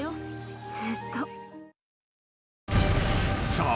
［さあ